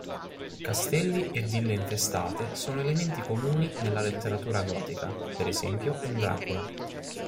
Castelli e ville infestate sono elementi comuni nella letteratura gotica, per esempio in "Dracula".